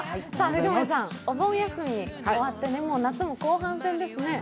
藤森さん、お盆休み終わって、夏も後半戦ですね。